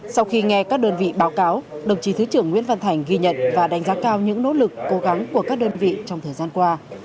sau khi nghe các đơn vị báo cáo đồng chí thứ trưởng nguyễn văn thành ghi nhận và đánh giá cao những nỗ lực cố gắng của các đơn vị trong thời gian qua